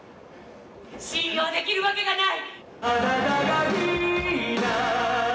信用できるわけがない！